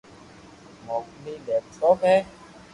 موڪني ليپ ٽوپ ھي